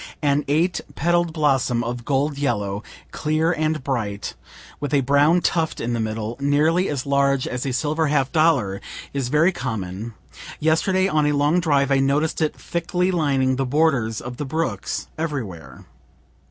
An eight petal'd blossom of gold yellow, clear and bright, with a brown tuft in the middle, nearly as large as a silver half dollar, is very common; yesterday on a long drive I noticed it thickly lining the borders of the brooks everywhere.